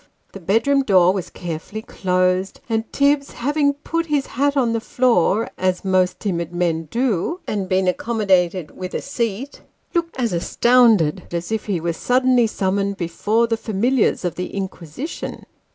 The bedroom door was carefully closed, and Tibbs, having put his hat on the floor (as most timid men do), and been accommodated with a seat, looked as astounded as if he were suddenly summoned before the familiars of the Inquisition.